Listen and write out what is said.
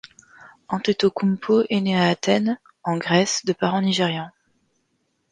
Antetokoúnmpo est né à Athènes, en Grèce de parents nigérians.